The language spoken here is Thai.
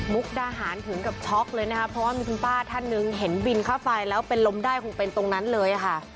ทหารถึงกับช็อกเลยนะคะเพราะว่ามีคุณป้าท่านหนึ่งเห็นบินค่าไฟแล้วเป็นลมได้คงเป็นตรงนั้นเลยค่ะ